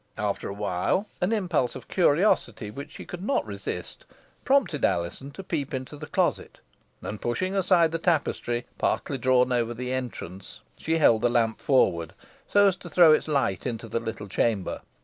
After awhile, an impulse of curiosity which she could not resist, prompted Alizon to peep into the closet, and pushing aside the tapestry, partly drawn over the entrance, she held the lamp forward so as to throw its light into the little chamber.